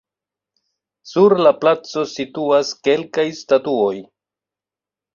Sur la placo situas kelkaj statuoj.